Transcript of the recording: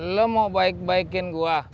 lo mau baik baikin gue